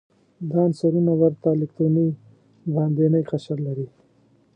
دا عنصرونه ورته الکتروني باندینی قشر لري.